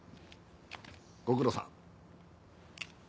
ご苦労さん。